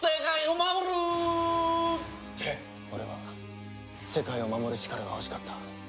俺は世界を守る力が欲しかった。